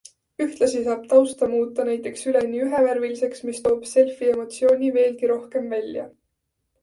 Ühtlasi saab tausta muuta näiteks üleni ühevärviliseks, mis toob selfie emotsiooni veelgi rohkem välja.